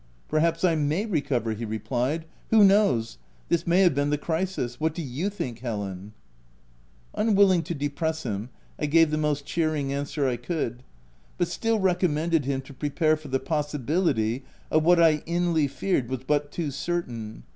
a Perhaps, I may recover/' he replied, u who knows ?— this may have been the crisis. What do you think, Helen ? 3 ' Unwilling to depress him, I gave the most cheering answer I could, but still recommended him to prepare for the possibility of what I inly feared was but too certain.